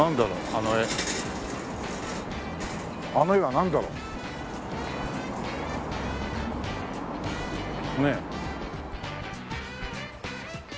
あの絵はなんだろう？ねえ。